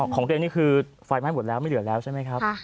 ของตัวเองนี่คือไฟไหม้หมดแล้วไม่เหลือแล้วใช่ไหมครับ